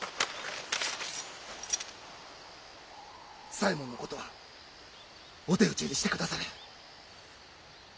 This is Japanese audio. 左衛門のことはお手討ちにしてくだされ。